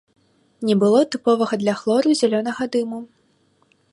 Не было тыповага для хлору зялёнага дыму.